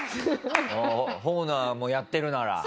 ホーナーもやってるなら？